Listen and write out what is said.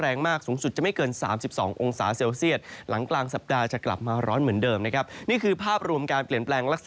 ลักษณะอากาศทั่วไทย